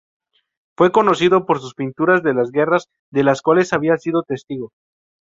Fue conocido por sus pinturas de las guerras de las cuales había sido testigo.